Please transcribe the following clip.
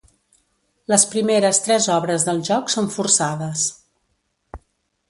Les primeres tres obres del joc són forçades.